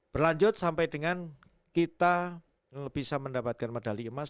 berlanjut sampai dengan kita bisa mendapatkan medali emas